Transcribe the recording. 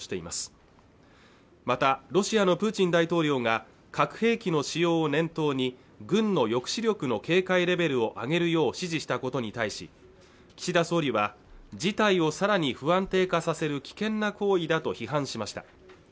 またロシアのプーチン大統領が核兵器の使用を念頭に軍の抑止力の警戒レベルを上げるよう指示したことに対し岸田総理は事態をさらに不安定化させる危険な行為だと批判しました